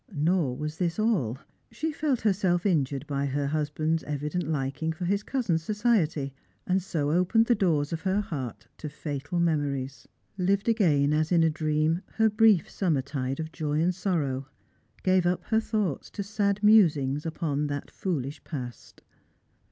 Noi was this all ; she felt herself injured by her husband's evident liking for his cousin's society, and so opened the doors of her heart to fatal memories ; Hved again as in a dream, her brief summertide of joy and sorrow ; gave up her thoughts to sad musings u])on that foolish past.